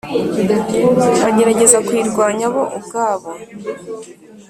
bagerageza kuyirwanya bo ubwabo